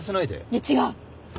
いや違う。